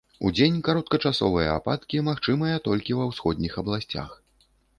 Удзень кароткачасовыя ападкі магчымыя толькі ва ўсходніх абласцях.